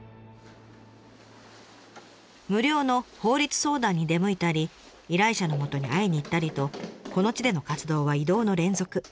無料の法律相談に出向いたり依頼者のもとに会いに行ったりとこの地での活動は移動の連続。